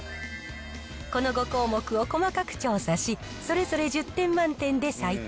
この５項目を細かく調査し、それぞれ１０点満点で採点。